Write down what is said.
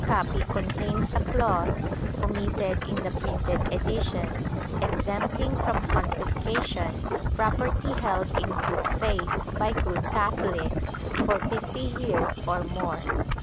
copy contains a clause, omitted in the printed editions, exempting from confiscation property held in good faith by good Catholics, for fifty years or more.